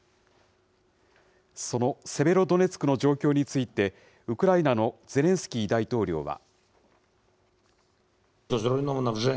そのセベロドネツクの状況について、ウクライナのゼレンスキー大統領は。